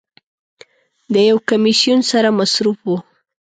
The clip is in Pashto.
د یو کمیسون سره مصروف و.